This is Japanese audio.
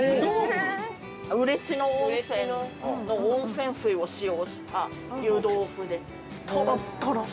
嬉野温泉の温泉水を使用した湯豆腐でトロットロ。